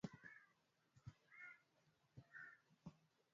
na wakuu wa ukoo kuhakikisha kuwa koo na familia za kiluguru zinaishi kwa Amani